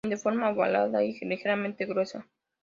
De forma ovalada y ligeramente gruesa.